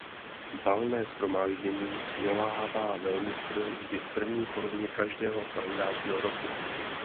Valné shromáždění svolává velmistr vždy v první polovině každého kalendářního roku.